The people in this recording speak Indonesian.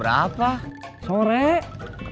nah mapa berat hasilnya